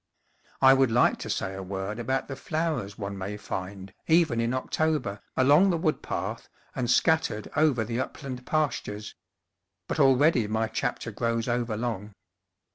I would like to say a word about the flow ers one may find, even in October, along the wood path and scattered over the upland pastures; but already my chapter grows overlong.